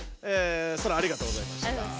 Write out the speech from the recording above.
ソラありがとうございました。